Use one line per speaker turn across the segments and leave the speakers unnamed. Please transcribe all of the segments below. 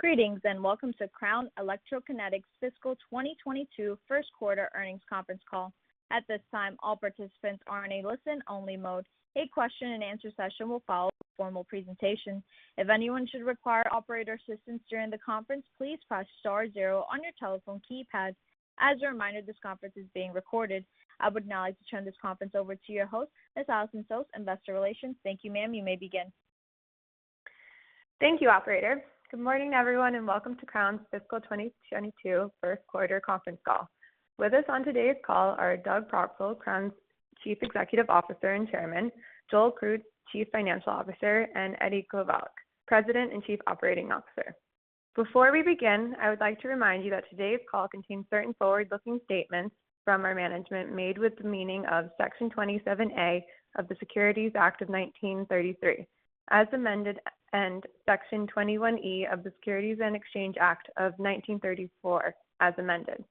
Greetings, welcome to Crown Electrokinetics' Fiscal 2022 first quarter earnings conference call. At this time, all participants are in a listen-only mode. A question and answer session will follow the formal presentation. If anyone should require operator assistance during the conference, please press star zero on your telephone keypad. As a reminder, this conference is being recorded. I would now like to turn this conference over to your host, Ms. Allison Soss, Investor Relations. Thank you, ma'am. You may begin.
Thank you, operator. Good morning, everyone, and welcome to Crown's Fiscal 2022 first quarter conference call. With us on today's call are Doug Croxall, Crown's Chief Executive Officer and Chairman; Joel Krutz, Chief Financial Officer; and Eddie Kovalik, President and Chief Operating Officer. Before we begin, I would like to remind you that today's call contains certain forward-looking statements from our management made with the meaning of Section 27A of the Securities Act of 1933, as amended, and Section 21E of the Securities Exchange Act of 1934, as amended.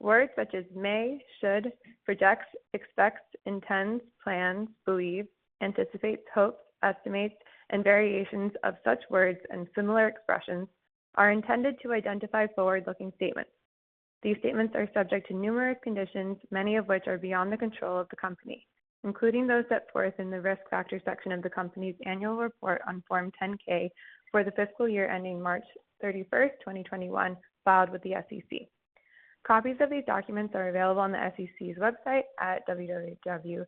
Words such as may, should, projects, expects, intends, plans, believe, anticipates, hopes, estimates, and variations of such words and similar expressions are intended to identify forward-looking statements. These statements are subject to numerous conditions, many of which are beyond the control of the company, including those set forth in the risk factor section of the company's annual report on Form 10-K for the fiscal year ending March 31st, 2021, filed with the SEC. Copies of these documents are available on the SEC's website at www.sec.gov.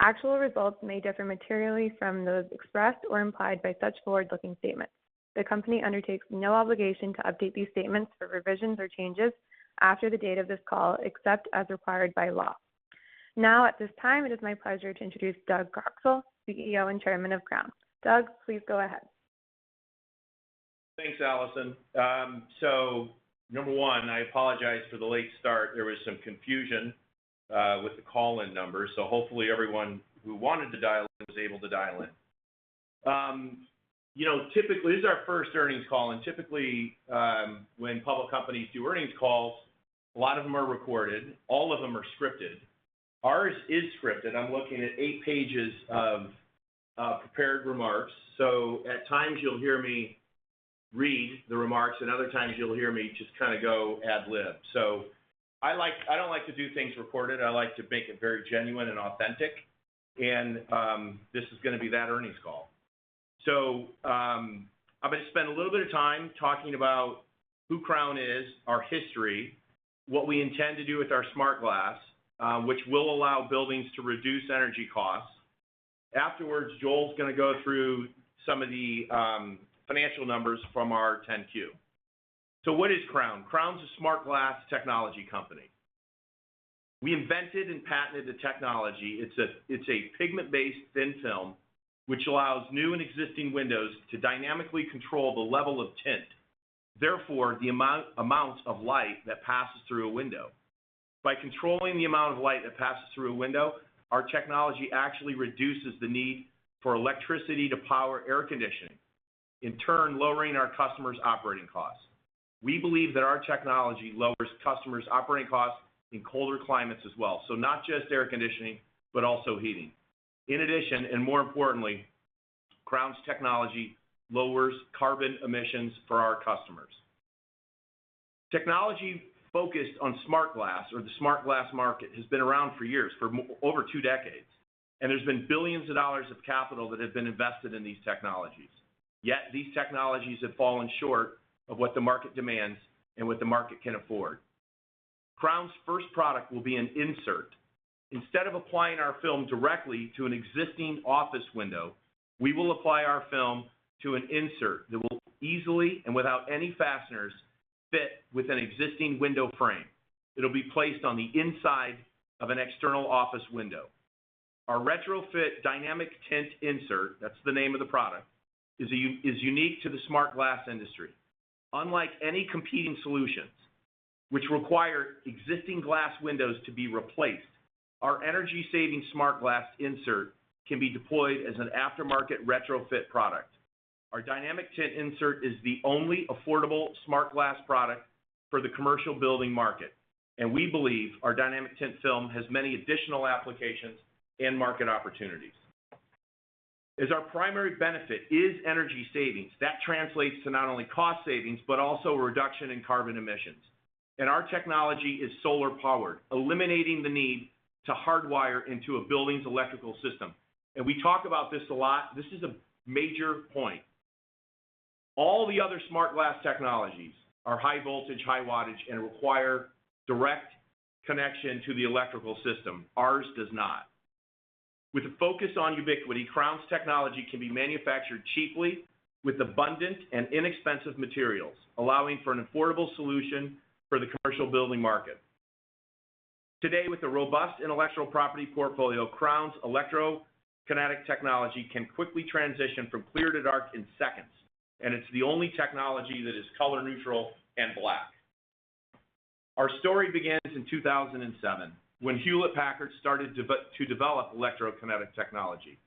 Actual results may differ materially from those expressed or implied by such forward-looking statements. The company undertakes no obligation to update these statements for revisions or changes after the date of this call, except as required by law. Now, at this time, it is my pleasure to introduce Doug Croxall, CEO and Chairman of Crown. Doug, please go ahead.
Thanks, Allison. Number one, I apologize for the late start. There was some confusion with the call-in number, hopefully everyone who wanted to dial in was able to dial in. This is our first earnings call, typically, when public companies do earnings calls, a lot of them are recorded. All of them are scripted. Ours is scripted. I'm looking at eight pages of prepared remarks. At times you'll hear me read the remarks, other times you'll hear me just kind of go ad lib. I don't like to do things recorded. I like to make it very genuine and authentic, this is going to be that earnings call. I'm going to spend a little bit of time talking about who Crown is, our history, what we intend to do with our smart glass, which will allow buildings to reduce energy costs. Afterwards, Joel's going to go through some of the financial numbers from our 10-Q. What is Crown? Crown's a smart glass technology company. We invented and patented the technology. It's a pigment-based thin film, which allows new and existing windows to dynamically control the level of tint, therefore, the amount of light that passes through a window. By controlling the amount of light that passes through a window, our technology actually reduces the need for electricity to power air conditioning, in turn, lowering our customers' operating costs. We believe that our technology lowers customers' operating costs in colder climates as well. Not just air conditioning, but also heating. In addition, and more importantly, Crown's technology lowers carbon emissions for our customers. Technology focused on smart glass or the smart glass market has been around for years, for over two decades, and there's been billions of dollars of capital that has been invested in these technologies. Yet these technologies have fallen short of what the market demands and what the market can afford. Crown's first product will be an insert. Instead of applying our film directly to an existing office window, we will apply our film to an insert that will easily, and without any fasteners, fit with an existing window frame. It'll be placed on the inside of an external office window. Our retrofit DynamicTint insert, that's the name of the product, is unique to the smart glass industry. Unlike any competing solutions, which require existing glass windows to be replaced, our energy-saving smart glass insert can be deployed as an aftermarket retrofit product. Our DynamicTint insert is the only affordable smart glass product for the commercial building market. We believe our DynamicTint film has many additional applications and market opportunities. As our primary benefit is energy savings, that translates to not only cost savings, but also a reduction in carbon emissions. Our technology is solar powered, eliminating the need to hardwire into a building's electrical system. We talk about this a lot. This is a major point. All the other smart glass technologies are high voltage, high wattage, and require direct connection to the electrical system. Ours does not. With a focus on ubiquity, Crown's technology can be manufactured cheaply with abundant and inexpensive materials, allowing for an affordable solution for the commercial building market. Today, with a robust intellectual property portfolio, Crown's Electrokinetic technology can quickly transition from clear to dark in seconds, and it's the only technology that is color neutral and black. Our story begins in 2007, when Hewlett-Packard started to develop Electrokinetic technology.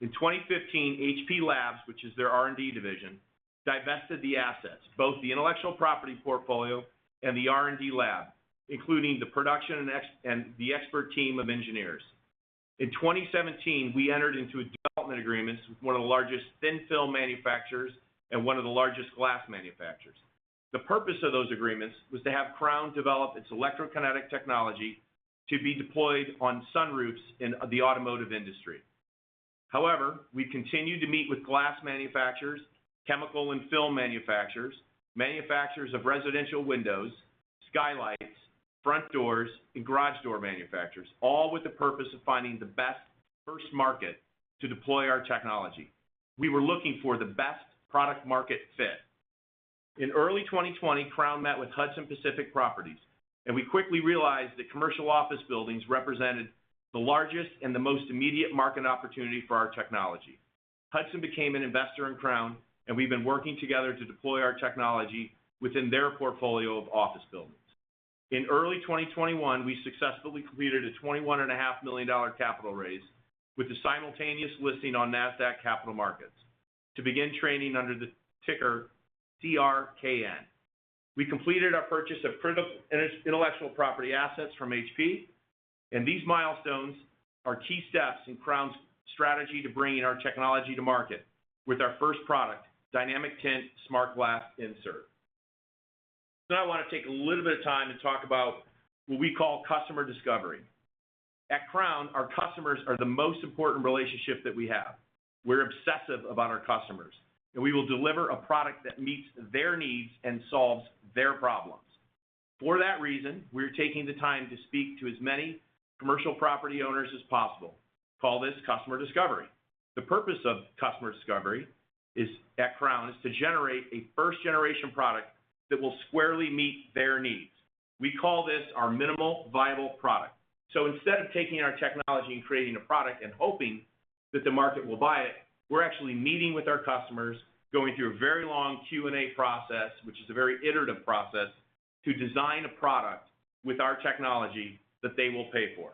In 2015, HP Labs, which is their R&D division, divested the assets, both the intellectual property portfolio and the R&D lab, including the production and the expert team of engineers. In 2017, we entered into development agreements with one of the largest thin film manufacturers and one of the largest glass manufacturers. The purpose of those agreements was to have Crown develop its Electrokinetic technology to be deployed on sunroofs in the automotive industry. However, we've continued to meet with glass manufacturers, chemical and film manufacturers of residential windows, skylights, front doors, and garage door manufacturers, all with the purpose of finding the best first market to deploy our technology. We were looking for the best product-market fit. In early 2020, Crown met with Hudson Pacific Properties, and we quickly realized that commercial office buildings represented the largest and the most immediate market opportunity for our technology. Hudson became an investor in Crown, and we've been working together to deploy our technology within their portfolio of office buildings. In early 2021, we successfully completed a $21.5 million capital raise with a simultaneous listing on Nasdaq Capital Market to begin trading under the ticker CRKN. We completed our purchase of critical intellectual property assets from HP, and these milestones are key steps in Crown's strategy to bringing our technology to market with our first product, DynamicTint smart glass insert. Now I want to take a little bit of time to talk about what we call customer discovery. At Crown, our customers are the most important relationship that we have. We're obsessive about our customers, and we will deliver a product that meets their needs and solves their problems. For that reason, we're taking the time to speak to as many commercial property owners as possible. We call this customer discovery. The purpose of customer discovery at Crown is to generate a first-generation product that will squarely meet their needs. We call this our minimal viable product. Instead of taking our technology and creating a product and hoping that the market will buy it, we're actually meeting with our customers, going through a very long Q&A process, which is a very iterative process, to design a product with our technology that they will pay for.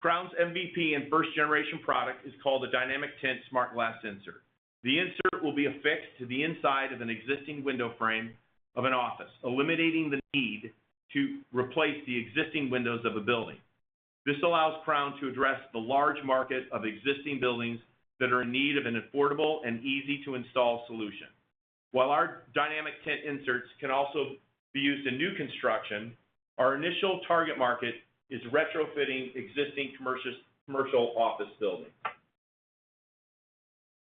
Crown's MVP and first-generation product is called the DynamicTint smart glass insert. The insert will be affixed to the inside of an existing window frame of an office, eliminating the need to replace the existing windows of a building. This allows Crown to address the large market of existing buildings that are in need of an affordable and easy-to-install solution. While our DynamicTint inserts can also be used in new construction, our initial target market is retrofitting existing commercial office buildings.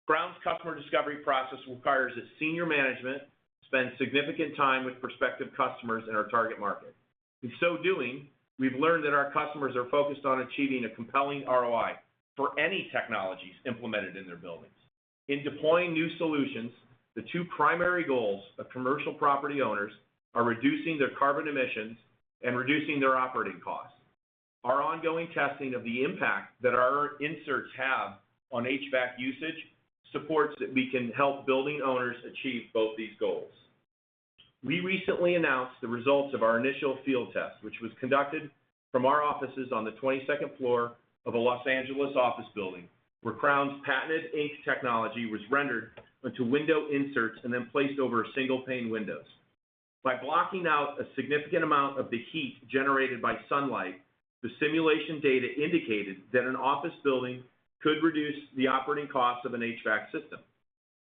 Crown's customer discovery process requires that senior management spend significant time with prospective customers in our target market. In so doing, we've learned that our customers are focused on achieving a compelling ROI for any technologies implemented in their buildings. In deploying new solutions, the two primary goals of commercial property owners are reducing their carbon emissions and reducing their operating costs. Our ongoing testing of the impact that our inserts have on HVAC usage supports that we can help building owners achieve both these goals. We recently announced the results of our initial field test, which was conducted from our offices on the 22nd floor of an L.A. office building, where Crown's patented EK technology was rendered into window inserts and then placed over single-pane windows. By blocking out a significant amount of the heat generated by sunlight, the simulation data indicated that an office building could reduce the operating cost of an HVAC system.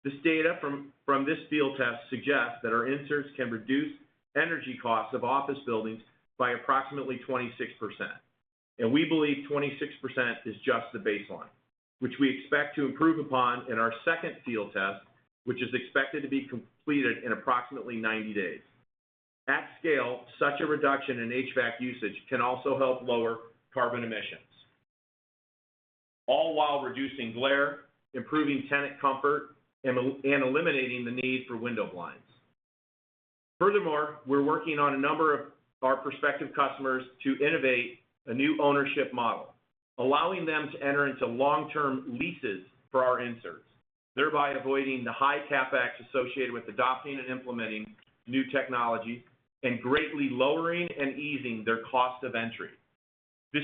This data from this field test suggests that our inserts can reduce energy costs of office buildings by approximately 26%. We believe 26% is just the baseline, which we expect to improve upon in our second field test, which is expected to be completed in approximately 90 days. At scale, such a reduction in HVAC usage can also help lower carbon emissions, all while reducing glare, improving tenant comfort, and eliminating the need for window blinds. We're working on a number of our prospective customers to innovate a new ownership model, allowing them to enter into long-term leases for our inserts, thereby avoiding the high CapEx associated with adopting and implementing new technology and greatly lowering and easing their cost of entry. This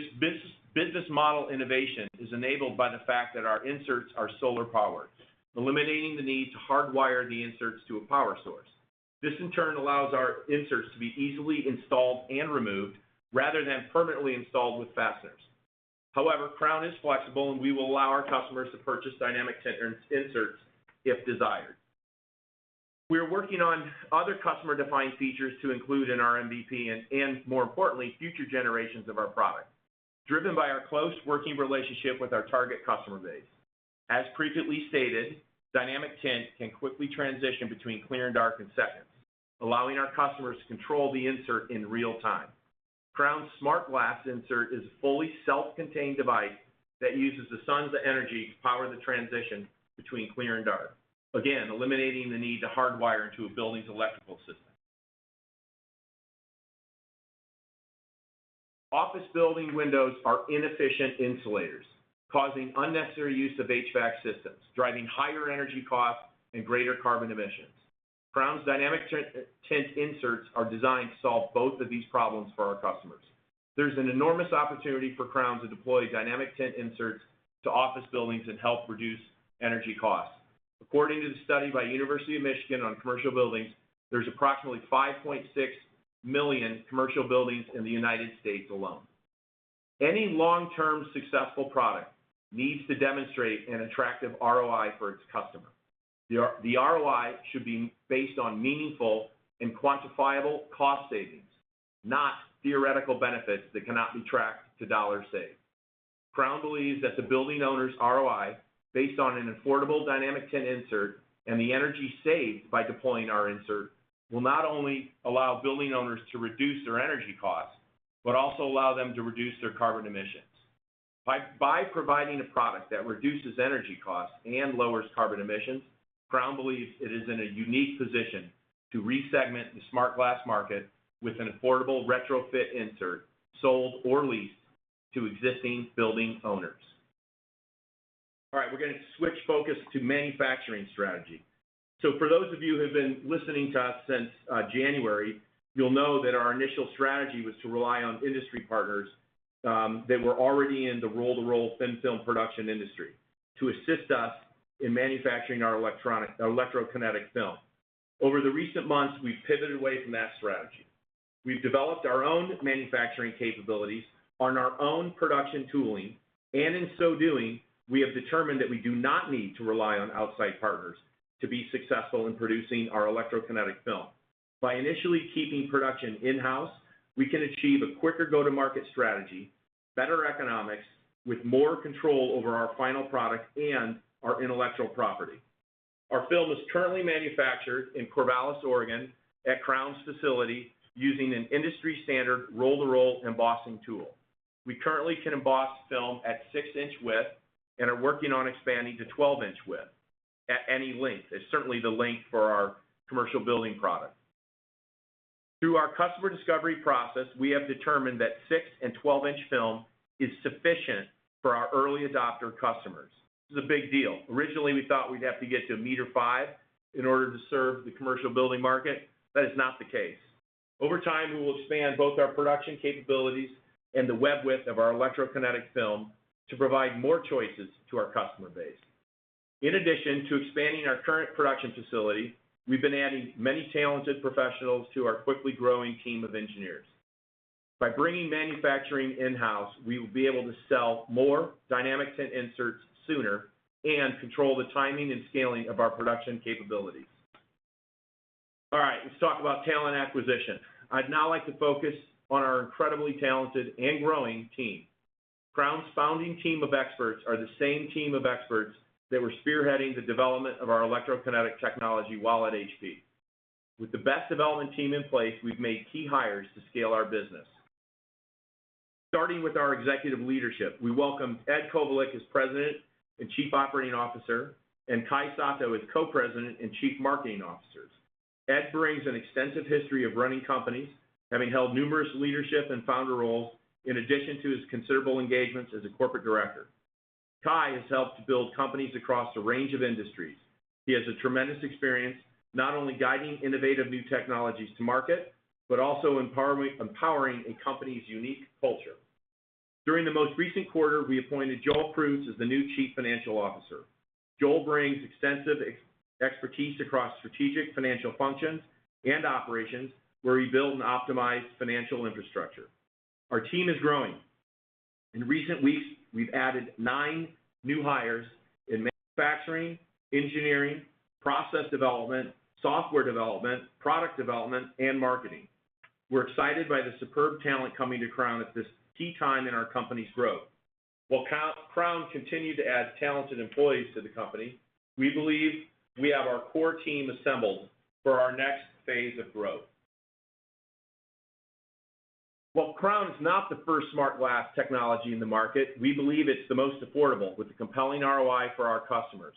business model innovation is enabled by the fact that our inserts are solar powered, eliminating the need to hardwire the inserts to a power source. This, in turn, allows our inserts to be easily installed and removed rather than permanently installed with fasteners. Crown is flexible, and we will allow our customers to purchase DynamicTint inserts if desired. We are working on other customer-defined features to include in our MVP and, more importantly, future generations of our product, driven by our close working relationship with our target customer base. As previously stated, DynamicTint can quickly transition between clear and dark in seconds, allowing our customers to control the insert in real time. Crown's smart glass insert is a fully self-contained device that uses the sun's energy to power the transition between clear and dark, again, eliminating the need to hardwire into a building's electrical system. Office building windows are inefficient insulators, causing unnecessary use of HVAC systems, driving higher energy costs and greater carbon emissions. Crown's DynamicTint inserts are designed to solve both of these problems for our customers. There is an enormous opportunity for Crown to deploy DynamicTint inserts to office buildings and help reduce energy costs. According to the study by University of Michigan on commercial buildings, there is approximately 5.6 million commercial buildings in the United States alone. Any long-term successful product needs to demonstrate an attractive ROI for its customer. The ROI should be based on meaningful and quantifiable cost savings, not theoretical benefits that cannot be tracked to dollars saved. Crown believes that the building owner's ROI, based on an affordable DynamicTint insert and the energy saved by deploying our insert, will not only allow building owners to reduce their energy costs, but also allow them to reduce their carbon emissions. By providing a product that reduces energy costs and lowers carbon emissions, Crown believes it is in a unique position to re-segment the smart glass market with an affordable retrofit insert, sold or leased to existing building owners. All right. We're going to switch focus to manufacturing strategy. For those of you who have been listening to us since January, you'll know that our initial strategy was to rely on industry partners that were already in the roll-to-roll thin film production industry to assist us in manufacturing our electrokinetic film. Over the recent months, we've pivoted away from that strategy. We've developed our own manufacturing capabilities on our own production tooling, and in so doing, we have determined that we do not need to rely on outside partners to be successful in producing our electrokinetic film. By initially keeping production in-house, we can achieve a quicker go-to-market strategy, better economics, with more control over our final product and our intellectual property. Our film is currently manufactured in Corvallis, Oregon, at Crown's facility using an industry-standard roll-to-roll embossing tool. We currently can emboss film at 6 in width and are working on expanding to 12 in width at any length. It's certainly the length for our commercial building product. Through our customer discovery process, we have determined that 6 in and 12 in film is sufficient for our early adopter customers. This is a big deal. Originally, we thought we'd have to get to 5 m in order to serve the commercial building market. That is not the case. Over time, we will expand both our production capabilities and the web width of our electrokinetic film to provide more choices to our customer base. In addition to expanding our current production facility, we've been adding many talented professionals to our quickly growing team of engineers. By bringing manufacturing in-house, we will be able to sell more DynamicTint inserts sooner and control the timing and scaling of our production capabilities. All right. Let's talk about talent acquisition. I'd now like to focus on our incredibly talented and growing team. Crown's founding team of experts are the same team of experts that were spearheading the development of our Electrokinetic technology while at HP. With the best development team in place, we've made key hires to scale our business. Starting with our executive leadership, we welcome Eddie Kovalik as President and Chief Operating Officer, and Kai Sato as Co-President and Chief Marketing Officer. Ed brings an extensive history of running companies, having held numerous leadership and founder roles, in addition to his considerable engagements as a corporate director. Kai has helped to build companies across a range of industries. He has a tremendous experience, not only guiding innovative new technologies to market, but also empowering a company's unique culture. During the most recent quarter, we appointed Joel Krutz as the new Chief Financial Officer. Joel brings extensive expertise across strategic financial functions and operations, where he built and optimized financial infrastructure. Our team is growing. In recent weeks, we've added nine new hires in manufacturing, engineering, process development, software development, product development, and marketing. We're excited by the superb talent coming to Crown at this key time in our company's growth. While Crown continued to add talented employees to the company, we believe we have our core team assembled for our next phase of growth. While Crown is not the first smart glass technology in the market, we believe it's the most affordable with a compelling ROI for our customers.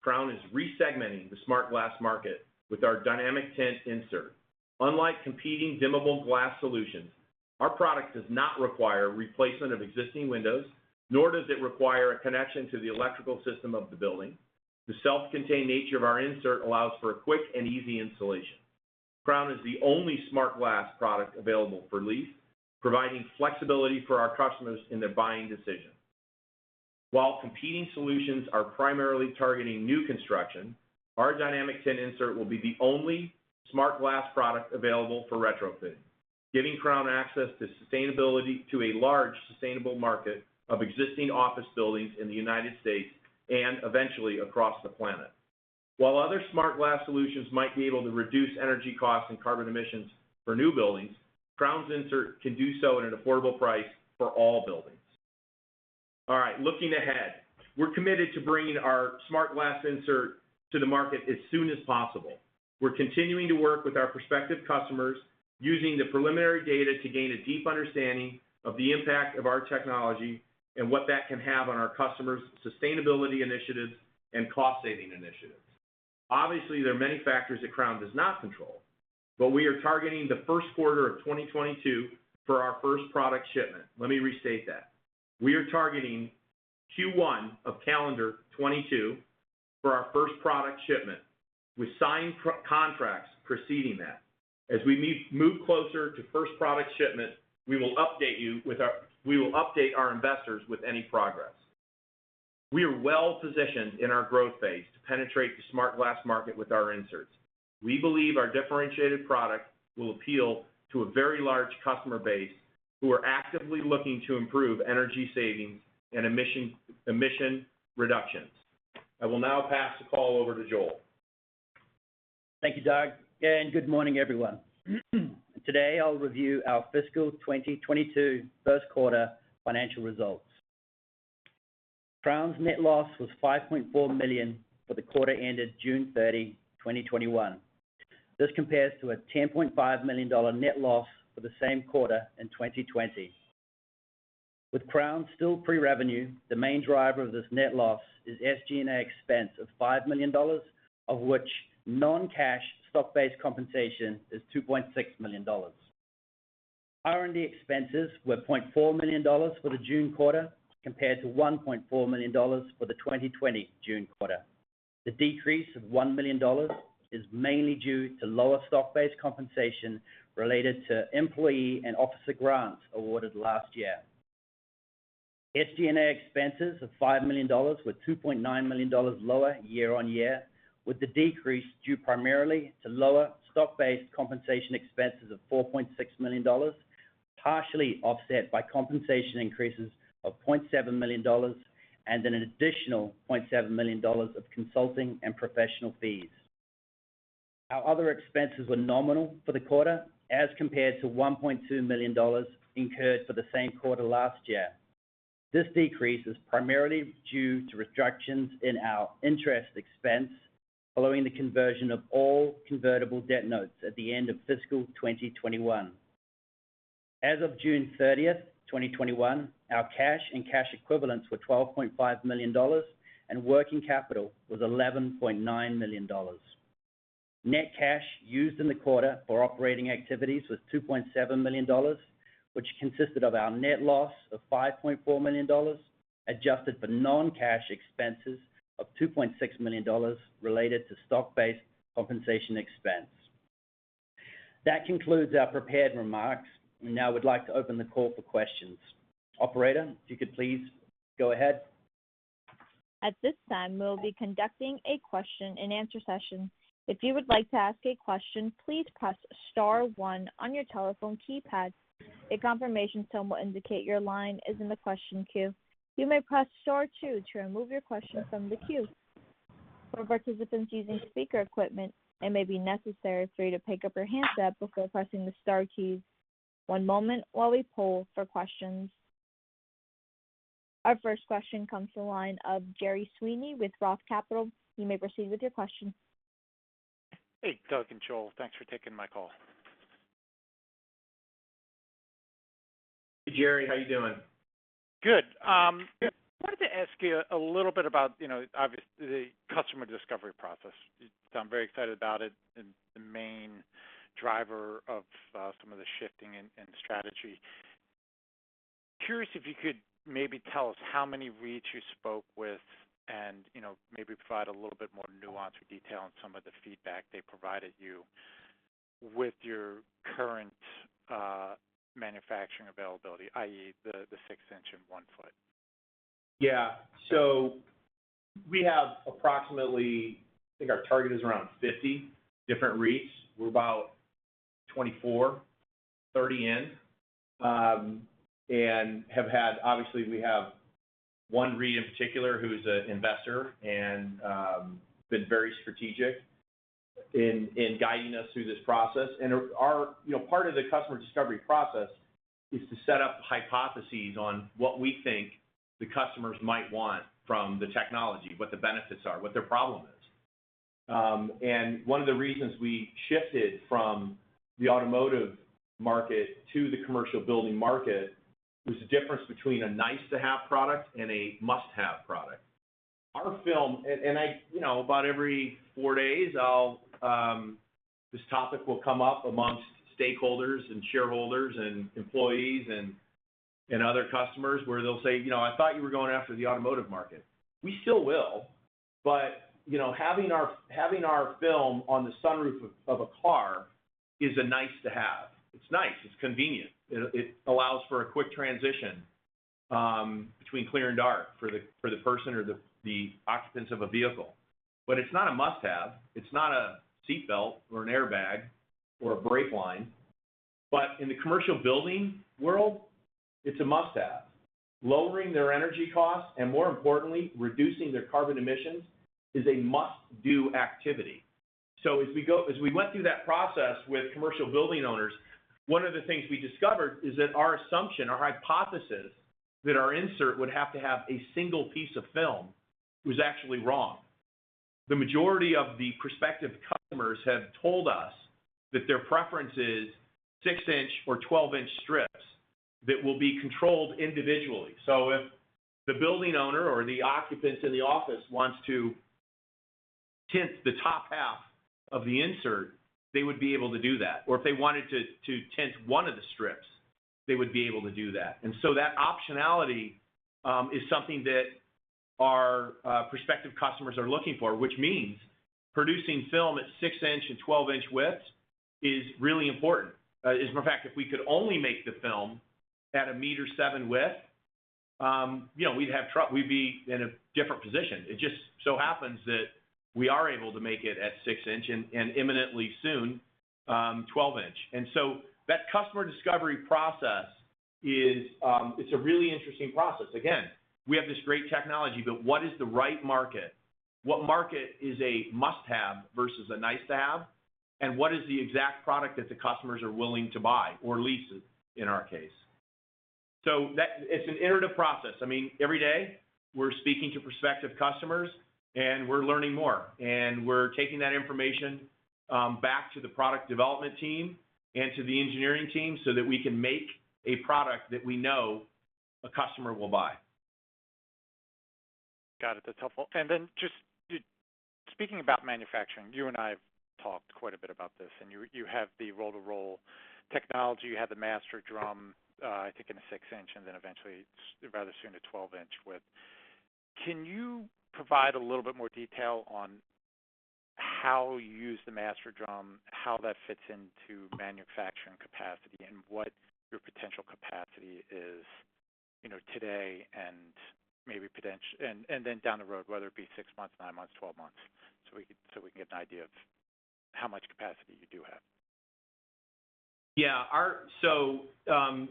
Crown is re-segmenting the smart glass market with our DynamicTint insert. Unlike competing dimmable glass solutions, our product does not require replacement of existing windows, nor does it require a connection to the electrical system of the building. The self-contained nature of our insert allows for a quick and easy installation. Crown is the only smart glass product available for lease, providing flexibility for our customers in their buying decision. While competing solutions are primarily targeting new construction, our DynamicTint insert will be the only smart glass product available for retrofit, giving Crown access to a large sustainable market of existing office buildings in the U.S., and eventually, across the planet. While other smart glass solutions might be able to reduce energy costs and carbon emissions for new buildings, Crown's insert can do so at an affordable price for all buildings. All right. Looking ahead, we're committed to bringing our smart glass insert to the market as soon as possible. We're continuing to work with our prospective customers using the preliminary data to gain a deep understanding of the impact of our technology and what that can have on our customers' sustainability initiatives and cost-saving initiatives. Obviously, there are many factors that Crown does not control, we are targeting the first quarter of 2022 for our first product shipment. Let me restate that. We are targeting Q1 of calendar 2022 for our first product shipment. With signed contracts preceding that. As we move closer to first product shipment, we will update our investors with any progress. We are well positioned in our growth phase to penetrate the smart glass market with our inserts. We believe our differentiated product will appeal to a very large customer base who are actively looking to improve energy savings and emission reductions. I will now pass the call over to Joel.
Thank you, Doug, and good morning, everyone. Today, I'll review our fiscal 2022 first quarter financial results. Crown's net loss was $5.4 million for the quarter ended June 30, 2021. This compares to a $10.5 million net loss for the same quarter in 2020. With Crown still pre-revenue, the main driver of this net loss is SG&A expense of $5 million, of which non-cash stock-based compensation is $2.6 million. R&D expenses were $0.4 million for the June quarter, compared to $1.4 million for the 2020 June quarter. The decrease of $1 million is mainly due to lower stock-based compensation related to employee and officer grants awarded last year. SG&A expenses of $5 million were $2.9 million lower year-on-year, with the decrease due primarily to lower stock-based compensation expenses of $4.6 million, partially offset by compensation increases of $0.7 million, and an additional $0.7 million of consulting and professional fees. Our other expenses were nominal for the quarter as compared to $1.2 million incurred for the same quarter last year. This decrease is primarily due to reductions in our interest expense following the conversion of all convertible debt notes at the end of fiscal 2021. As of June 30th, 2021, our cash and cash equivalents were $12.5 million, and working capital was $11.9 million. Net cash used in the quarter for operating activities was $2.7 million, which consisted of our net loss of $5.4 million, adjusted for non-cash expenses of $2.6 million related to stock-based compensation expense. That concludes our prepared remarks. We now would like to open the call for questions. Operator, if you could please go ahead.
Our first question comes to the line of Gerry Sweeney with ROTH Capital Partners. You may proceed with your question.
Hey, Doug and Joel. Thanks for taking my call.
Hey, Gerry. How you doing?
Good. I wanted to ask you a little bit about, obviously, the customer discovery process. I'm very excited about it and the main driver of some of the shifting in strategy. Curious if you could maybe tell us how many REITs you spoke with and maybe provide a little bit more nuance or detail on some of the feedback they provided you with your current manufacturing availability, i.e., the 6 in and 1 foot.
Yeah. We have approximately, I think our target is around 50 different REITs. We're about 24, 30 in. Obviously, we have 1 REIT in particular who's an investor and been very strategic in guiding us through this process. Part of the customer discovery process is to set up hypotheses on what we think the customers might want from the technology, what the benefits are, what their problem is. One of the reasons we shifted from the automotive market to the commercial building market was the difference between a nice-to-have product and a must-have product. Our film, about every four days, this topic will come up amongst stakeholders and shareholders and employees and other customers where they'll say, "I thought you were going after the automotive market." We still will, having our film on the sunroof of a car is a nice to have. It's nice. It's convenient. It allows for a quick transition between clear and dark for the person or the occupants of a vehicle. It's not a must-have. It's not a seat belt or an airbag or a brake line. In the commercial building world, it's a must-have. Lowering their energy costs, and more importantly, reducing their carbon emissions is a must-do activity. As we went through that process with commercial building owners, one of the things we discovered is that our assumption, our hypothesis, that our insert would have to have a single piece of film was actually wrong. The majority of the prospective customers have told us that their preference is 6 in or 12 in strips that will be controlled individually. If the building owner or the occupants in the office wants to tint the top half of the insert, they would be able to do that. If they wanted to tint one of the strips. They would be able to do that. That optionality is something that our prospective customers are looking for, which means producing film at 6 in and 12 in widths is really important. As a matter of fact, if we could only make the film at a 7 m width, we'd be in a different position. It just so happens that we are able to make it at 6 in, and imminently soon, 12 in. That customer discovery process is a really interesting process. Again, we have this great technology, what is the right market? What market is a must-have versus a nice-to-have? What is the exact product that the customers are willing to buy, or lease, in our case? It's an iterative process. Every day, we're speaking to prospective customers, and we're learning more, and we're taking that information back to the product development team and to the engineering team so that we can make a product that we know a customer will buy.
Got it. That's helpful. Just speaking about manufacturing, you and I have talked quite a bit about this, and you have the roll-to-roll technology. You have the master drum, I think in a 6 in, and then eventually, rather soon, a 12 in width. Can you provide a little bit more detail on how you use the master drum, how that fits into manufacturing capacity, and what your potential capacity is today and then down the road, whether it be six months, nine months, 12 months, so we can get an idea of how much capacity you do have?
Yeah. There's a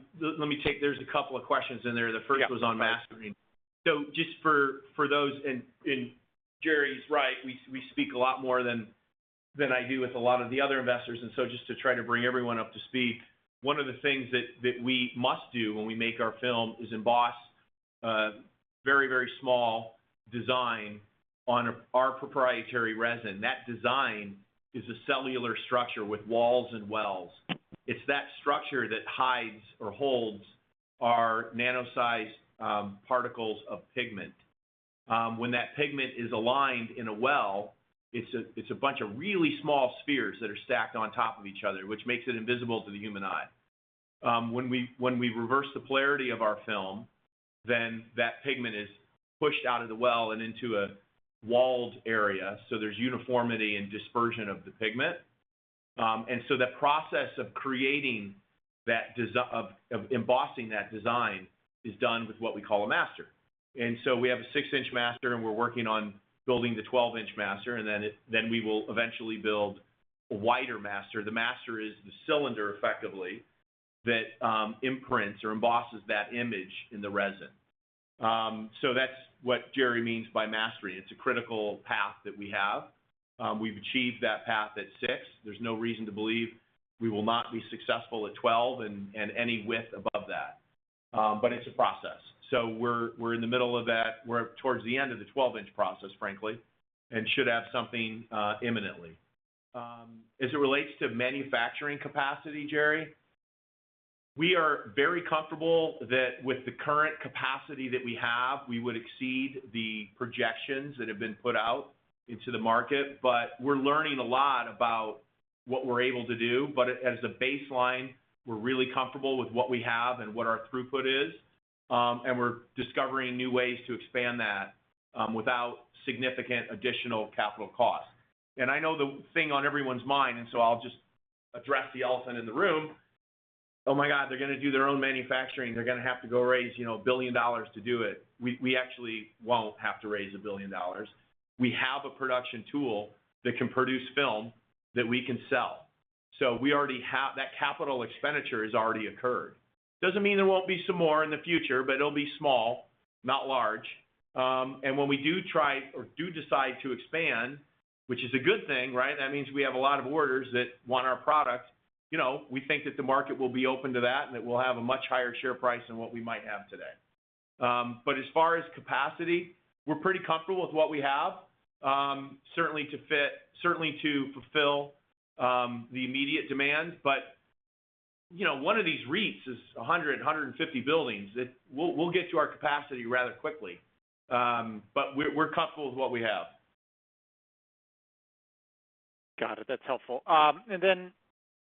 couple of questions in there. The first was on mastering.
Yeah.
Just for those, and Gerry's right, we speak a lot more than I do with a lot of the other investors, just to try to bring everyone up to speed, one of the things that we must do when we make our film is emboss a very small design on our proprietary resin. That design is a cellular structure with walls and wells. It's that structure that hides or holds our nano-sized particles of pigment. When that pigment is aligned in a well, it's a bunch of really small spheres that are stacked on top of each other, which makes it invisible to the human eye. When we reverse the polarity of our film, that pigment is pushed out of the well and into a walled area, so there's uniformity and dispersion of the pigment. That process of embossing that design is done with what we call a master. We have a 6 in master, and we're working on building the 12 in master, and then we will eventually build a wider master. The master is the cylinder, effectively, that imprints or embosses that image in the resin. That's what Gerry means by mastering. It's a critical path that we have. We've achieved that path at 6 in. There's no reason to believe we will not be successful at 12 in and any width above that. It's a process. We're in the middle of that. We're towards the end of the 12 in process, frankly, and should have something imminently. As it relates to manufacturing capacity, Gerry, we are very comfortable that with the current capacity that we have, we would exceed the projections that have been put out into the market. We're learning a lot about what we're able to do. As a baseline, we're really comfortable with what we have and what our throughput is. We're discovering new ways to expand that without significant additional capital cost. I know the thing on everyone's mind. I'll just address the elephant in the room, "Oh my God, they're going to do their own manufacturing. They're going to have to go raise $1 billion to do it." We actually won't have to raise $1 billion. We have a production tool that can produce film that we can sell. That capital expenditure has already occurred. Doesn't mean there won't be some more in the future, but it'll be small, not large. When we do try or do decide to expand, which is a good thing, right? That means we have a lot of orders that want our product. We think that the market will be open to that and that we'll have a much higher share price than what we might have today. As far as capacity, we're pretty comfortable with what we have, certainly to fulfill the immediate demand. One of these REITs is 100, 150 buildings. We'll get to our capacity rather quickly, but we're comfortable with what we have.
Got it. That's helpful.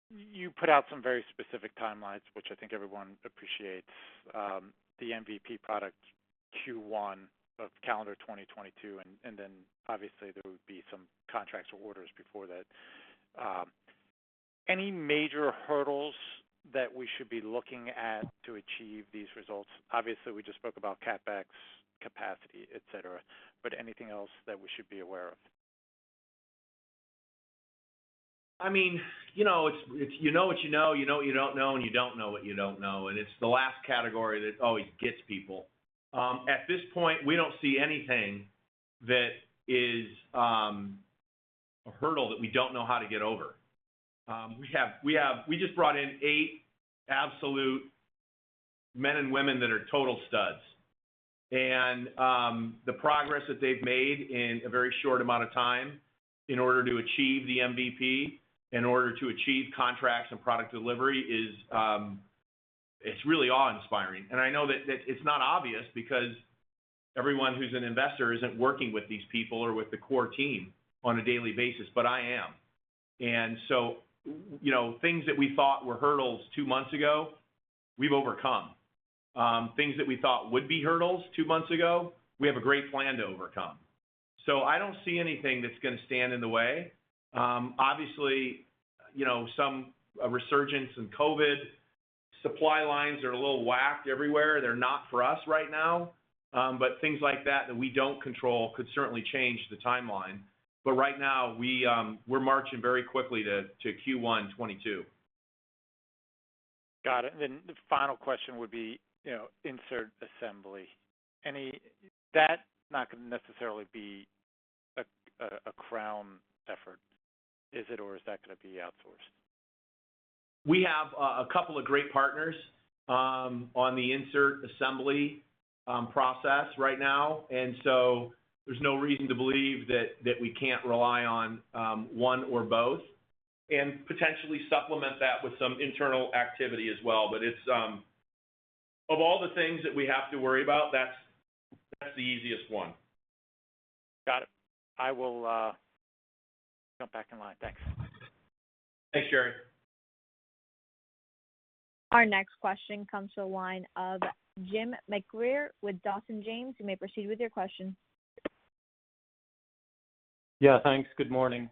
You put out some very specific timelines, which I think everyone appreciates. The MVP product Q1 of calendar 2022, obviously there would be some contracts or orders before that. Any major hurdles that we should be looking at to achieve these results? Obviously, we just spoke about CapEx capacity, et cetera, anything else that we should be aware of?
It's you know what you know, you know what you don't know, and you don't know what you don't know, and it's the last category that always gets people. At this point, we don't see anything that is a hurdle that we don't know how to get over. We just brought in eight absolute men and women that are total studs, and the progress that they've made in a very short amount of time in order to achieve the MVP, in order to achieve contracts and product delivery, it's really awe-inspiring. I know that it's not obvious because everyone who's an investor isn't working with these people or with the core team on a daily basis, but I am. So, things that we thought were hurdles two months ago, we've overcome. Things that we thought would be hurdles two months ago, we have a great plan to overcome. I don't see anything that's going to stand in the way. Obviously, some resurgence in COVID, supply lines are a little whacked everywhere. They're not for us right now. Things like that that we don't control could certainly change the timeline. Right now, we're marching very quickly to Q1 2022.
Got it. The final question would be, insert assembly. That's not going to necessarily be a Crown effort, is it? Is that going to be outsourced?
We have a couple of great partners on the insert assembly process right now, and so there's no reason to believe that we can't rely on one or both and potentially supplement that with some internal activity as well. Of all the things that we have to worry about, that's the easiest one.
Got it. I will jump back in line. Thanks.
Thanks, Gerry.
Our next question comes to the line of Jim McIlree with Dawson James. You may proceed with your question.
Yeah, thanks. Good morning.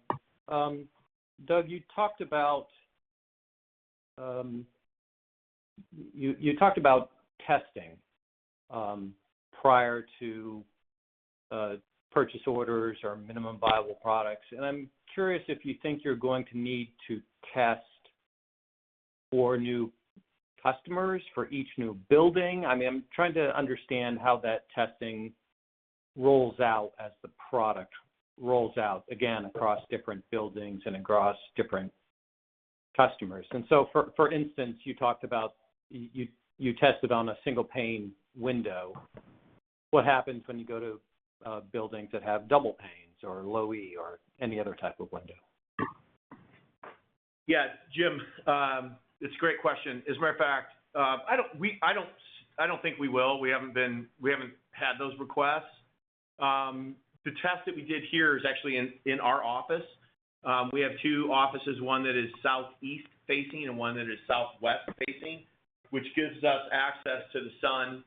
Doug, you talked about testing prior to purchase orders or minimum viable products. I'm curious if you think you're going to need to test for new customers for each new building. I'm trying to understand how that testing rolls out as the product rolls out, again, across different buildings and across different customers. For instance, you talked about you tested on a single-pane window. What happens when you go to buildings that have double panes or Low-E or any other type of window?
Yeah. Jim, it's a great question. As a matter of fact, I don't think we will. We haven't had those requests. The test that we did here is actually in our office. We have two offices, one that is southeast facing and one that is southwest facing, which gives us access to the sun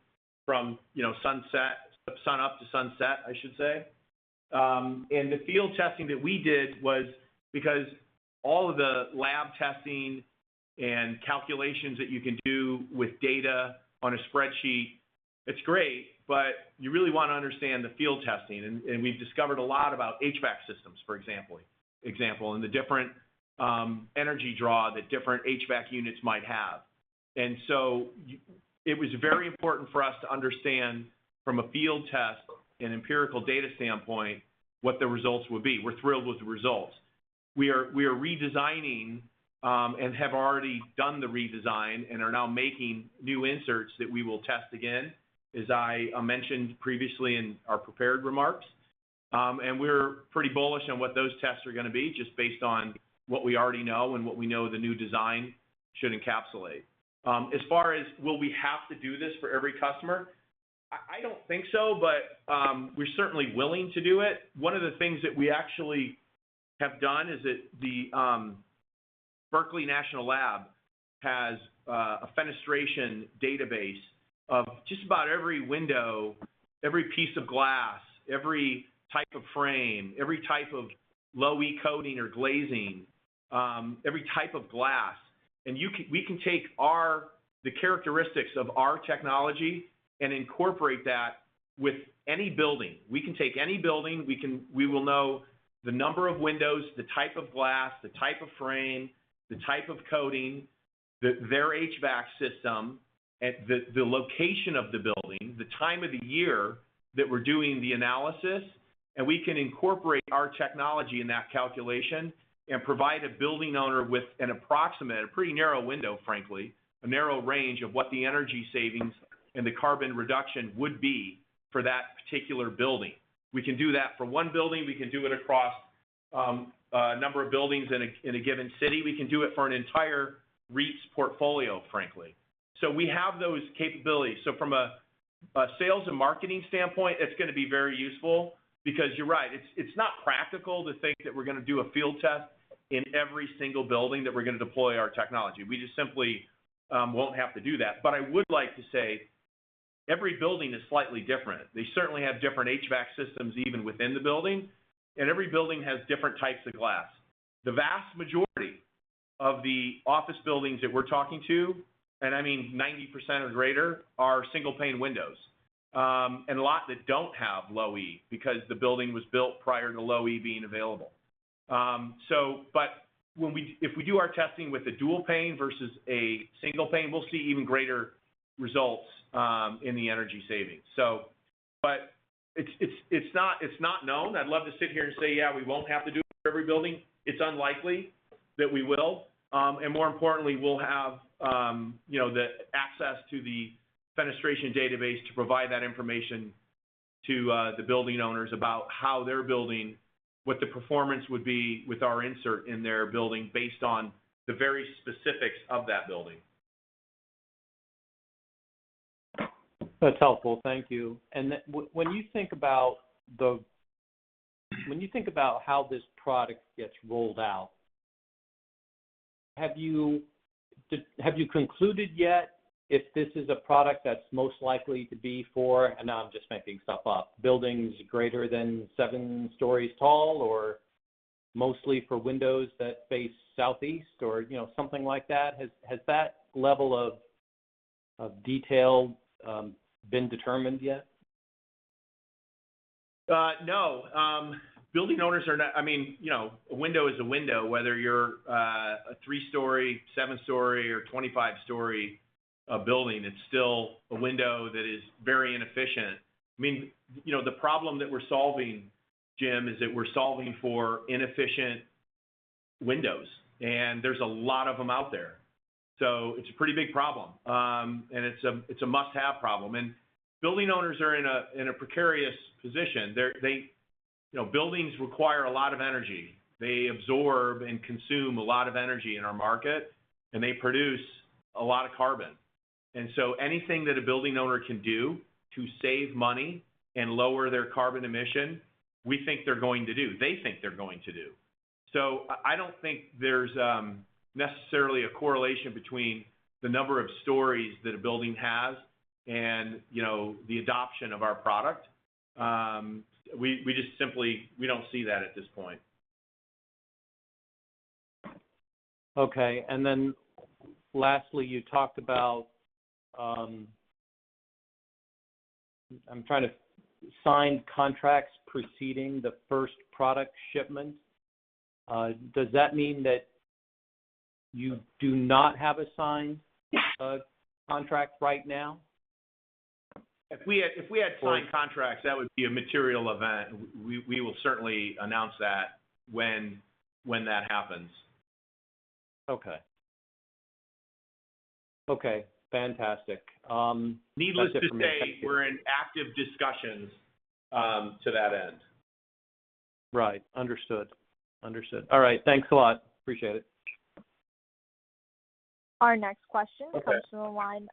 from sunup to sunset, I should say. The field testing that we did was because all of the lab testing and calculations that you can do with data on a spreadsheet, it's great, but you really want to understand the field testing, and we've discovered a lot about HVAC systems, for example, and the different energy draw that different HVAC units might have. It was very important for us to understand from a field test and empirical data standpoint what the results would be. We're thrilled with the results. We are redesigning, and have already done the redesign, and are now making new inserts that we will test again, as I mentioned previously in our prepared remarks. We're pretty bullish on what those tests are going to be, just based on what we already know and what we know the new design should encapsulate. As far as will we have to do this for every customer, I don't think so, but we're certainly willing to do it. One of the things that we actually have done is that the Berkeley National Lab has a fenestration database of just about every window, every piece of glass, every type of frame, every type of Low-E coating or glazing, every type of glass. We can take the characteristics of our technology and incorporate that with any building. We can take any building. We will know the number of windows, the type of glass, the type of frame, the type of coating, their HVAC system, the location of the building, the time of the year that we're doing the analysis, and we can incorporate our technology in that calculation and provide a building owner with an approximate, a pretty narrow window, frankly, a narrow range of what the energy savings and the carbon reduction would be for that particular building. We can do that for one building. We can do it across a number of buildings in a given city. We can do it for an entire REIT's portfolio, frankly. We have those capabilities. From a sales and marketing standpoint, it's going to be very useful because you're right. It's not practical to think that we're going to do a field test in every single building that we're going to deploy our technology. We just simply won't have to do that. I would like to say every building is slightly different. They certainly have different HVAC systems even within the building, and every building has different types of glass. The vast majority of the office buildings that we're talking to, and I mean 90% or greater, are single-pane windows. A lot that don't have low-E because the building was built prior to low-E being available. If we do our testing with a dual pane versus a single pane, we'll see even greater results in the energy savings. It's not known. I'd love to sit here and say, "Yeah, we won't have to do it for every building." It's unlikely that we will. More importantly, we'll have the access to the fenestration database to provide that information to the building owners about how their building, what the performance would be with our insert in their building based on the very specifics of that building.
That's helpful. Thank you. When you think about how this product gets rolled out, have you concluded yet if this is a product that's most likely to be for, and now I'm just making stuff up, buildings greater than seven stories tall, or mostly for windows that face southeast or something like that? Has that level of detail been determined yet?
No. A window is a window, whether you're a three-story, seven-story, or 25-story building. It's still a window that is very inefficient. The problem that we're solving, Jim, is that we're solving for inefficient windows, and there's a lot of them out there. It's a pretty big problem, and it's a must-have problem. Building owners are in a precarious position. Buildings require a lot of energy. They absorb and consume a lot of energy in our market, and they produce a lot of carbon. Anything that a building owner can do to save money and lower their carbon emission, we think they're going to do, they think they're going to do. I don't think there's necessarily a correlation between the number of stories that a building has and the adoption of our product. We don't see that at this point.
Okay, lastly, you talked about signed contracts preceding the first product shipment. Does that mean that you do not have a signed contract right now?
If we had signed contracts, that would be a material event. We will certainly announce that when that happens.
Okay. Okay, fantastic.
Needless to say, we're in active discussions to that end.
Right. Understood. All right. Thanks a lot. Appreciate it.
Our next question.
Okay.
Comes from the line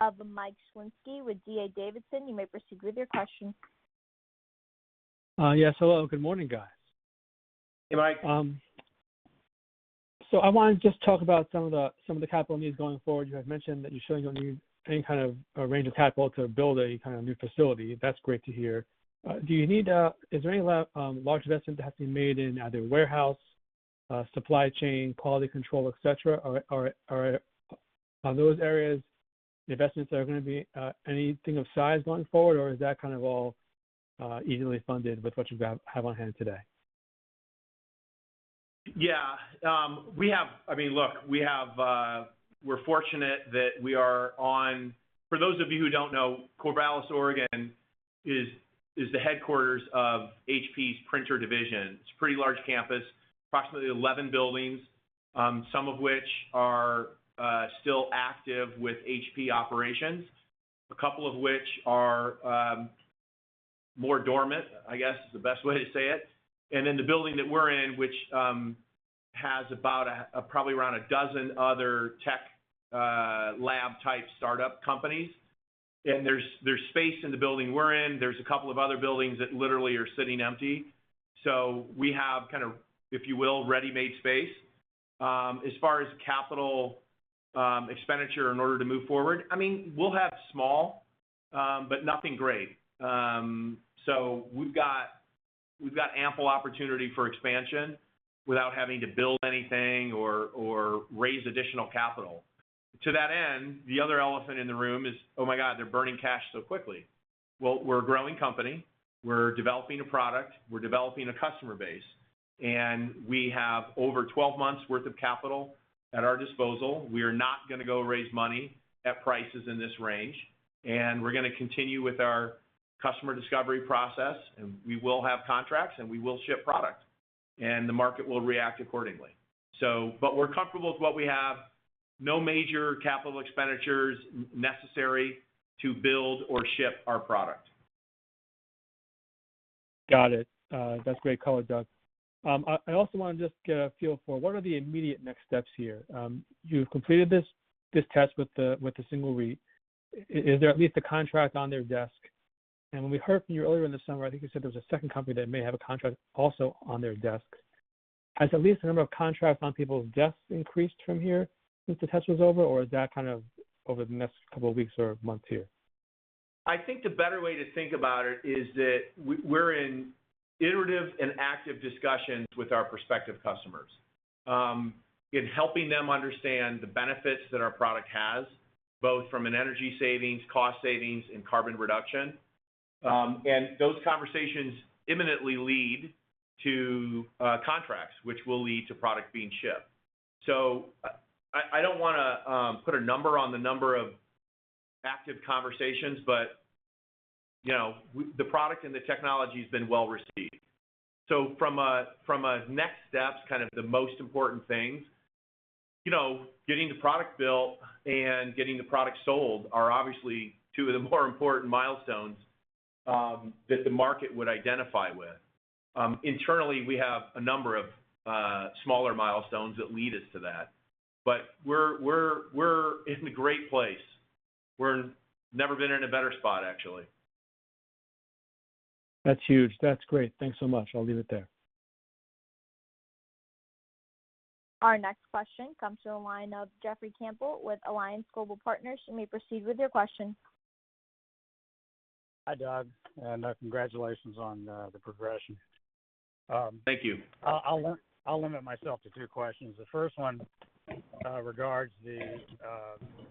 of Mike Shlisky with D.A. Davidson. You may proceed with your question.
Yes. Hello. Good morning, guys.
Hey, Mike.
I want to just talk about some of the capital needs going forward. You had mentioned that you shouldn't need any kind of a range of capital to build any kind of new facility. That's great to hear. Is there any large investment that has to be made in either warehouse, supply chain, quality control, et cetera? Are those areas, the investments that are going to be anything of size going forward, or is that all easily funded with what you have on hand today?
Yeah. For those of you who don't know, Corvallis, Oregon, is the headquarters of HP's printer division. It's a pretty large campus, approximately 11 buildings, some of which are still active with HP operations, a couple of which are more dormant, I guess, is the best way to say it. Then the building that we're in, which has about probably around a dozen other tech lab type startup companies. There's space in the building we're in. There's a couple of other buildings that literally are sitting empty. We have kind of, if you will, ready-made space. As far as CapEx in order to move forward, we'll have small, but nothing great. We've got ample opportunity for expansion without having to build anything or raise additional capital. To that end, the other elephant in the room is, oh my god, they're burning cash so quickly. Well, we're a growing company. We're developing a product. We're developing a customer base. We have over 12 months worth of capital at our disposal. We are not going to go raise money at prices in this range, and we're going to continue with our customer discovery process, and we will have contracts and we will ship product, and the market will react accordingly. We're comfortable with what we have. No major capital expenditures necessary to build or ship our product.
Got it. That's great color, Doug. I also want to just get a feel for what are the immediate next steps here. You've completed this test with the single REIT. Is there at least a contract on their desk? When we heard from you earlier in the summer, I think you said there was a second company that may have a contract also on their desk. Has at least the number of contracts on people's desks increased from here since the test was over, or is that over the next couple of weeks or months here?
I think the better way to think about it is that we're in iterative and active discussions with our prospective customers in helping them understand the benefits that our product has, both from an energy savings, cost savings, and carbon reduction. Those conversations imminently lead to contracts, which will lead to product being shipped. I don't want to put a number on the number of active conversations, but the product and the technology's been well-received. From a next steps, kind of the most important things, getting the product built and getting the product sold are obviously two of the more important milestones that the market would identify with. Internally, we have a number of smaller milestones that lead us to that, but we're in a great place. We're never been in a better spot, actually.
That's huge. That's great. Thanks so much. I'll leave it there.
Our next question comes to the line of Jeffrey Campbell with Alliance Global Partners. You may proceed with your question.
Hi, Doug, congratulations on the progression.
Thank you.
I'll limit myself to two questions. The first one regards the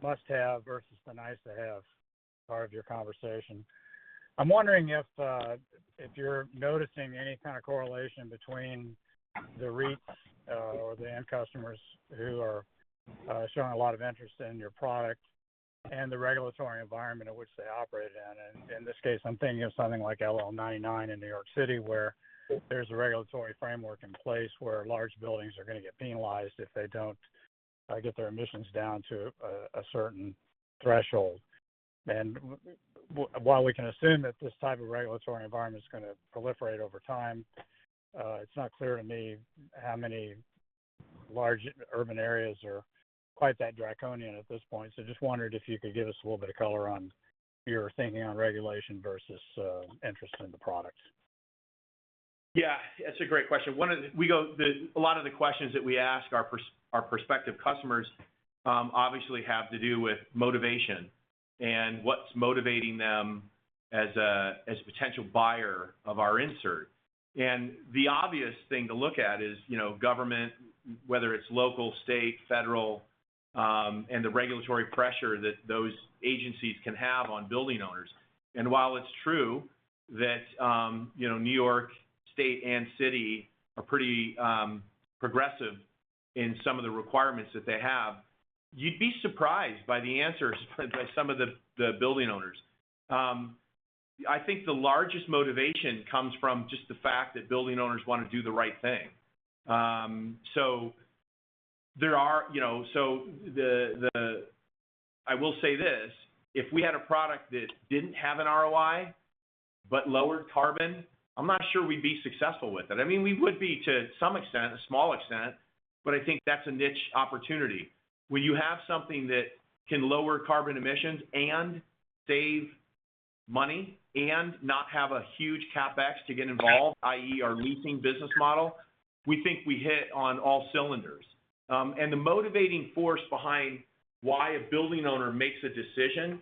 must-have versus the nice-to-have part of your conversation. I'm wondering if you're noticing any kind of correlation between the REITs or the end customers who are showing a lot of interest in your product and the regulatory environment in which they operate in. In this case, I'm thinking of something like LL99 in New York City, where there's a regulatory framework in place where large buildings are going to get penalized if they don't get their emissions down to a certain threshold. While we can assume that this type of regulatory environment is going to proliferate over time, it's not clear to me how many large urban areas are quite that draconian at this point. Just wondered if you could give us a little bit of color on your thinking on regulation versus interest in the product.
Yeah, that's a great question. A lot of the questions that we ask our prospective customers obviously have to do with motivation and what's motivating them as a potential buyer of our insert. The obvious thing to look at is government, whether it's local, state, federal, and the regulatory pressure that those agencies can have on building owners. While it's true that New York State and City are pretty progressive in some of the requirements that they have, you'd be surprised by the answers by some of the building owners. I think the largest motivation comes from just the fact that building owners want to do the right thing. I will say this. If we had a product that didn't have an ROI but lowered carbon, I'm not sure we'd be successful with it. We would be to some extent, a small extent, but I think that's a niche opportunity. When you have something that can lower carbon emissions and save money and not have a huge CapEx to get involved, i.e., our leasing business model, we think we hit on all cylinders. The motivating force behind why a building owner makes a decision,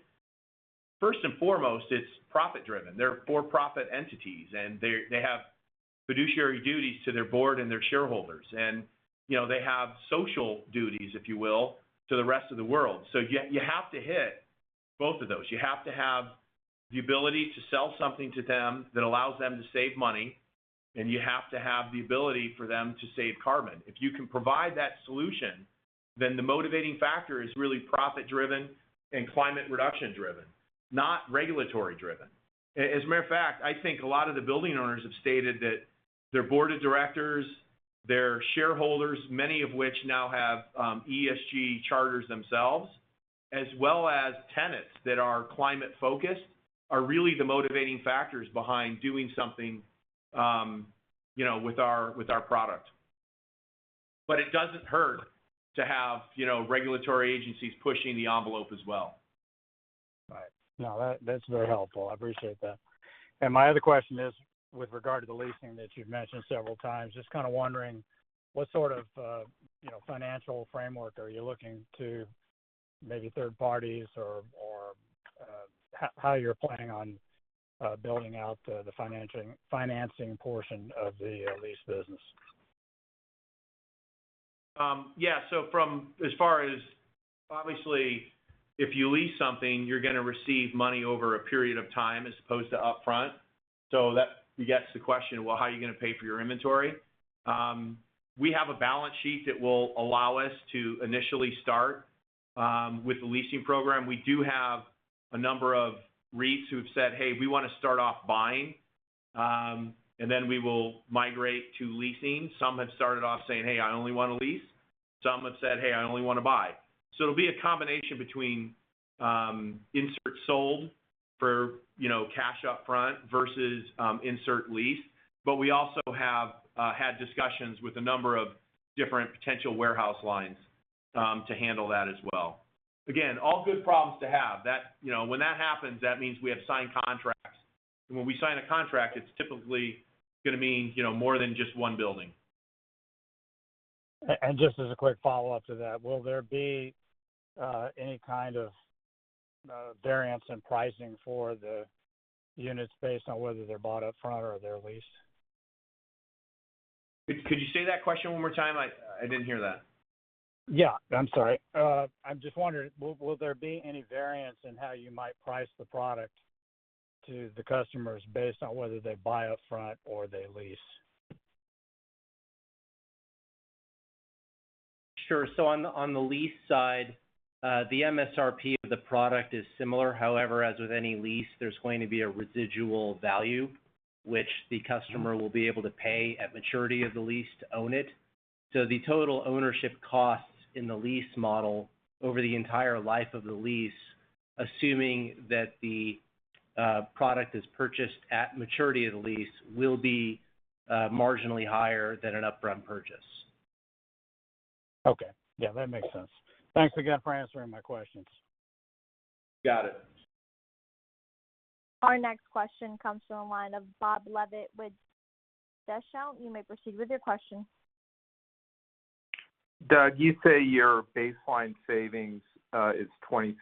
first and foremost, it's profit driven. They're for-profit entities, and they have fiduciary duties to their board and their shareholders. They have social duties, if you will, to the rest of the world. You have to hit both of those. You have to have the ability to sell something to them that allows them to save money, and you have to have the ability for them to save carbon. If you can provide that solution, then the motivating factor is really profit driven and climate reduction driven, not regulatory driven. As a matter of fact, I think a lot of the building owners have stated that their board of directors, their shareholders, many of which now have ESG charters themselves, as well as tenants that are climate focused, are really the motivating factors behind doing something with our product. It doesn't hurt to have regulatory agencies pushing the envelope as well.
Right. No, that's very helpful. I appreciate that. My other question is with regard to the leasing that you've mentioned several times, just kind of wondering what sort of financial framework are you looking to maybe third parties or how you're planning on building out the financing portion of the lease business?
Yeah. Obviously, if you lease something, you're going to receive money over a period of time as opposed to upfront. That begets the question, well, how are you going to pay for your inventory? We have a balance sheet that will allow us to initially start with the leasing program. We do have a number of REITs who've said, "Hey, we want to start off buying, and then we will migrate to leasing." Some have started off saying, "Hey, I only want to lease." Some have said, "Hey, I only want to buy." It'll be a combination between insert sold for cash upfront versus insert lease. We also have had discussions with a number of different potential warehouse lines to handle that as well. Again, all good problems to have. When that happens, that means we have signed contracts. When we sign a contract, it's typically going to mean more than just one building.
Just as a quick follow-up to that, will there be any kind of variance in pricing for the units based on whether they're bought upfront or they're leased?
Could you say that question one more time? I didn't hear that.
I'm sorry. I'm just wondering, will there be any variance in how you might price the product to the customers based on whether they buy upfront or they lease?
Sure. On the lease side, the MSRP of the product is similar. However, as with any lease, there's going to be a residual value, which the customer will be able to pay at maturity of the lease to own it. The total ownership costs in the lease model over the entire life of the lease, assuming that the product is purchased at maturity of the lease, will be marginally higher than an upfront purchase.
Okay. Yeah, that makes sense. Thanks again for answering my questions.
Got it.
Our next question comes from the line of Bob Levitt with D. E. Shaw. You may proceed with your question.
Doug, you say your baseline savings is 26%.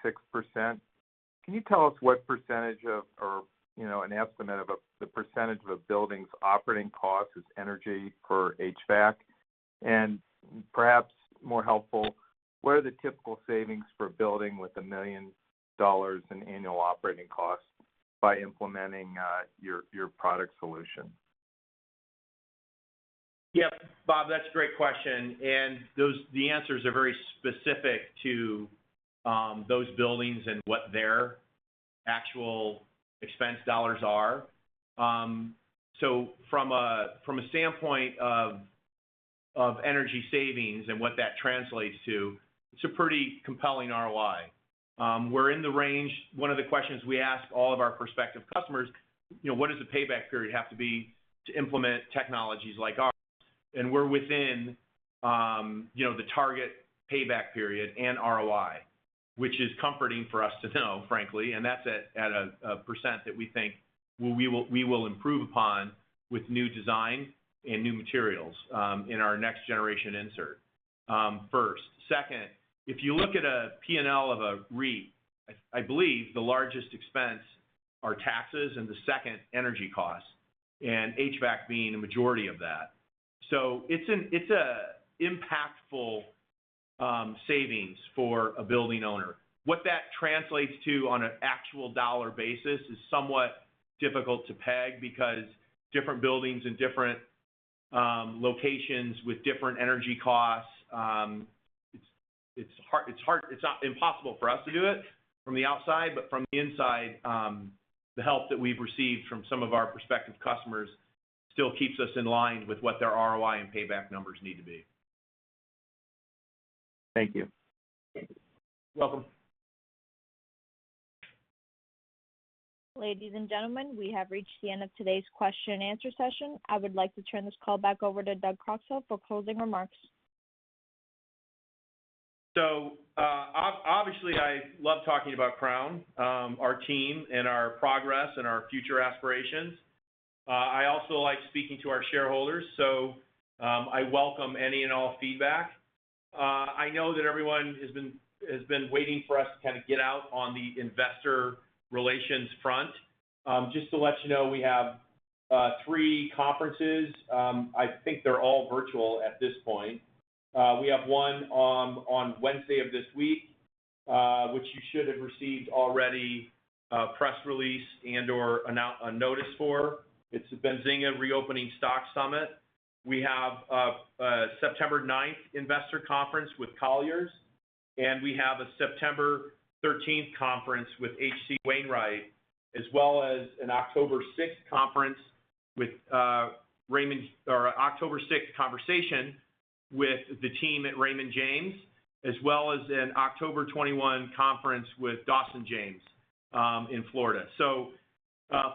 Can you tell us what percentage of, or an estimate of the percentage of a building's operating cost is energy for HVAC? Perhaps more helpful, what are the typical savings for a building with $1 million in annual operating costs by implementing your product solution?
Yep. Bob, that's a great question. The answers are very specific to those buildings and what their actual expense dollars are. From a standpoint of energy savings and what that translates to, it's a pretty compelling ROI. We're in the range. One of the questions we ask all of our prospective customers, "What does the payback period have to be to implement technologies like ours?" We're within the target payback period and ROI, which is comforting for us to know, frankly, and that's at a percent that we think we will improve upon with new design and new materials in our next generation insert, first. Second, if you look at a P&L of a REIT, I believe the largest expense are taxes, the second, energy costs, and HVAC being a majority of that. It's a impactful savings for a building owner. What that translates to on an actual dollar basis is somewhat difficult to peg because different buildings in different locations with different energy costs. It's impossible for us to do it from the outside, but from the inside, the help that we've received from some of our prospective customers still keeps us in line with what their ROI and payback numbers need to be.
Thank you.
You're welcome.
Ladies and gentlemen, we have reached the end of today's question and answer session. I would like to turn this call back over to Doug Croxall for closing remarks.
Obviously I love talking about Crown, our team and our progress and our future aspirations. I also like speaking to our shareholders, I welcome any and all feedback. I know that everyone has been waiting for us to get out on the investor relations front. Just to let you know, we have three conferences. I think they're all virtual at this point. We have one on Wednesday of this week, which you should have received already a press release and/or a notice for. It's the Benzinga Reopening Stocks Summit. We have a September 9th Investor Conference with Colliers, we have a September 13th Conference with H.C. Wainwright, as well as an October 6th Conference with the team at Raymond James, as well as an October 21 Conference with Dawson James in Florida.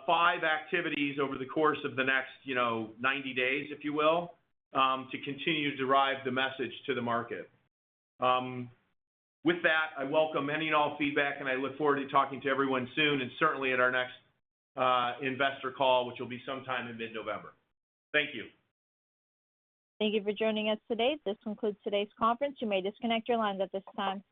Five activities over the course of the next 90 days, if you will, to continue to drive the message to the market. With that, I welcome any and all feedback, and I look forward to talking to everyone soon and certainly at our next investor call, which will be sometime in mid-November. Thank you.
Thank you for joining us today. This concludes today's conference. You may disconnect your lines at this time. Bye.